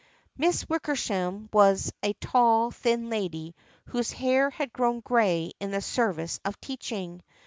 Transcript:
Miss Wickersham was a tall thin lady whose hair had grown gray in the service of teaching.